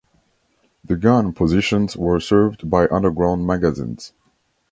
The gun positions were served by underground magazines.